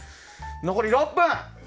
残り６分。